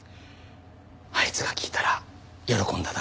あいつが聞いたら喜んだだろうな。